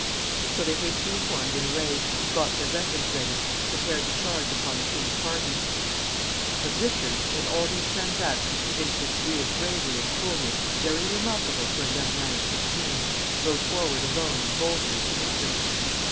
So they hastily formed in array, and got their weapons ready, prepared to charge upon the king's party; but Richard, who in all these transactions evinced a degree of bravery and coolness very remarkable for a young man of sixteen, rode forward alone, and boldly, to meet them.